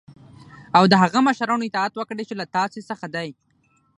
او د هغه مشرانو اطاعت وکړی چی له تاسی څخه دی .